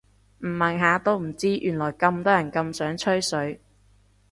唔問下都唔知原來咁多人咁想吹水